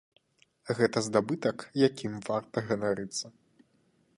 Гэта здабытак, якім варта ганарыцца.